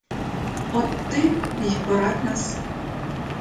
От ти й порадь нас.